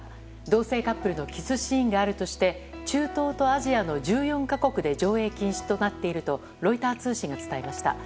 同性カップルのキスシーンがあるとして中東とアジアの１４か国で上映禁止となっているとロイター通信が伝えました。